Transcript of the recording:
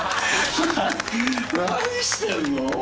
何してるの？